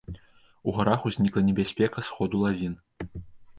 У гарах ўзнікла небяспека сходу лавін.